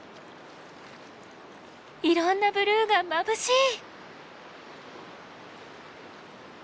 いろんなブルーがまぶしい！